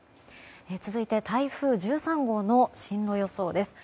続いて台風１３号の進路予想です。